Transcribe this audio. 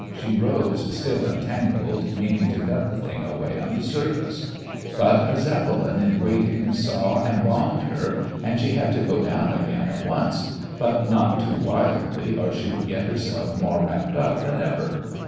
She rose, still entangled, meaning to cut the thing away on the surface. But a Zeppelin in waiting saw and bombed her, and she had to go down again at once — but not too wildly or she would get herself more wrapped up than ever.